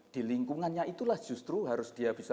di lingkungannya itulah justru harus dia bisa